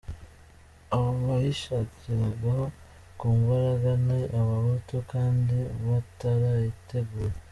Abo bayishakiragaho ku mbaraga, ni abahutu, kandi batarayiteguye.